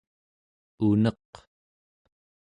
uneq